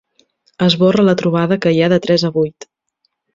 Esborra la trobada que hi ha de tres a vuit.